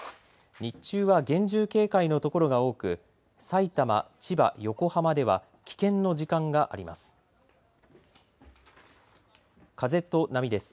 日中は厳重警戒の所が多くさいたま、千葉、横浜では危険の時間があります。